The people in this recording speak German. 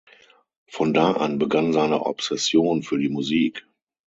Von da an begann seine Obsession für die Musik.